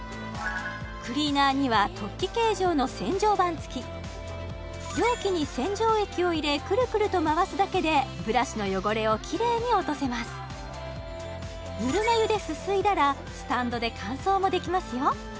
クリーナーには突起形状の洗浄板つき容器に洗浄液を入れくるくると回すだけでブラシの汚れをキレイに落とせますぬるま湯ですすいだらスタンドで乾燥もできますよ